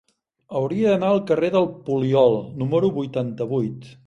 Hauria d'anar al carrer del Poliol número vuitanta-vuit.